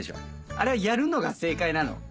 あれはやるのが正解なの？